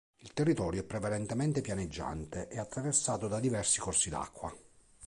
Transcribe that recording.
Il territorio è prevalentemente pianeggiante e attraversato da diversi corsi d'acqua.